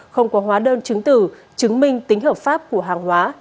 không có hóa đơn chứng tử chứng minh tính hợp pháp của hàng hóa